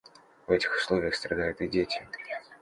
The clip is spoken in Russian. В этих условиях страдают и дети.